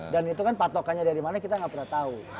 dan itu kan patokannya dari mana kita nggak pernah tahu